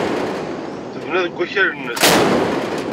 Tebna deg wakal-nnes.